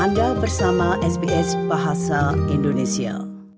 anda bersama sbs bahasa indonesia